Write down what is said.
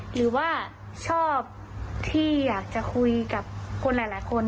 หรือว่าชอบที่อยากจะคุยกับคนหลายคน